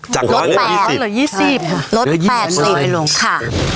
จาก๑๒๐เหรอลด๒๐ลด๒๐ลดไปลงค่ะอ๋อลด๒๐ลดไปลงค่ะ